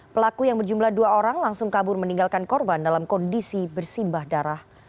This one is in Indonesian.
pelaku yang berjumlah dua orang langsung kabur meninggalkan korban dalam kondisi bersimbah darah